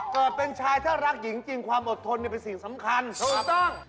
เกิดเป็นชายถ้ารักหญิงจริงความอดทนเป็นสิ่งสำคัญถูกต้อง